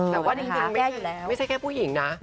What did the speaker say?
แต่ว่าจริงไม่ใช่แค่ผู้หญิงนะ